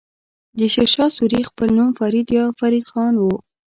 د شير شاه سوری خپل نوم فريد يا فريد خان وه.